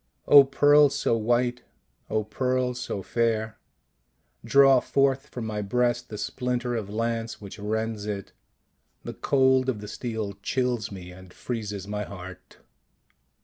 " O Pearl so white, O Pearl so fair, draw forth from my breast the splinter of lance which rends it. The cold of the steel chills me and freezes my heart."